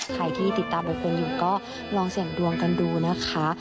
ใครที่ติดตามใบเฟิร์นอยู่ก็ลองเสี่ยงดวงกันดูนะคะ